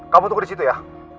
kamu tunggu disitu ya